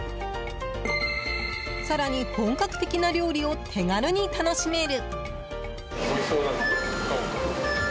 更に、本格的な料理を手軽に楽しめる。